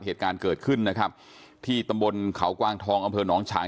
เหตุการณ์เกิดขึ้นนะครับที่ตำบลเขากวางทองอำเภอหนองฉาง